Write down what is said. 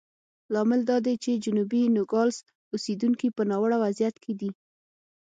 لامل دا دی چې جنوبي نوګالس اوسېدونکي په ناوړه وضعیت کې دي.